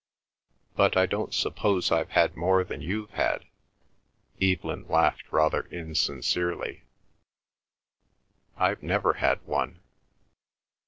"But I don't suppose I've had more than you've had," Evelyn laughed rather insincerely. "I've never had one."